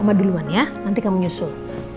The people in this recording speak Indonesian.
sama duluan ya nanti kamu nyusul